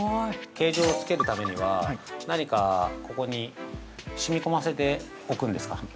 ◆形状をつけるためには、何かここに染みこませておくんですか。